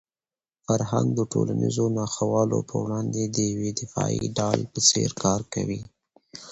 فرهنګ د ټولنیزو ناخوالو په وړاندې د یوې دفاعي ډال په څېر کار کوي.